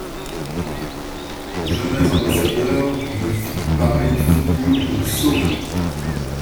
Jamais ambassadeur ne fit pareille figure de sot!